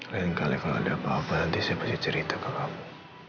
kalian kali kalau lihat apa apa nanti saya bakal cerita ke kamu